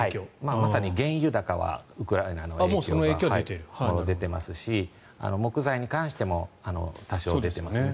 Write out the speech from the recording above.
まさに原油高はウクライナの影響が出ていますし木材に関しても多少出てますね。